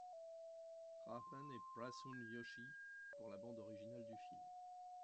Rahman et Prasoon Joshi pour la bande originale du film.